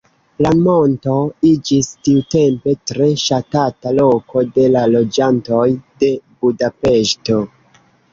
La monto iĝis tiutempe tre ŝatata loko de la loĝantoj de Budapeŝto.